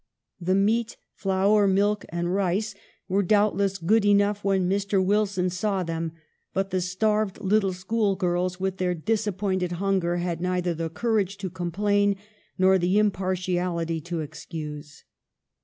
The meat, flour, milk, and rice were doubtless good enough when Mr. Wilson saw them, but the starved lit tle school girls with their disappointed hunger had neither the courage to complain nor the impartiality to excuse.